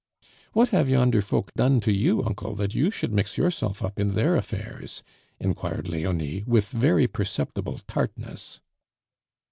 "What have yonder folk done to you, uncle, that you should mix yourself up in their affairs?" inquired Leonie, with very perceptible tartness.